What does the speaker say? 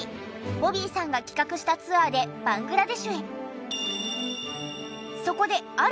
ボビーさんが企画したツアーでバングラデシュへ。